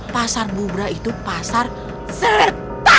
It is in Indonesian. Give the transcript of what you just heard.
pasar bubrah itu pasar serta